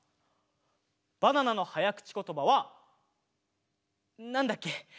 バナナのはやくちことばはなんだっけ？